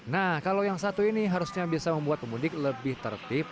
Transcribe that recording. nah kalau yang satu ini harusnya bisa membuat pemudik lebih tertib